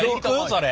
それ。